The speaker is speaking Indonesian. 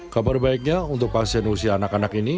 kabar baiknya untuk pasien usia anak anak ini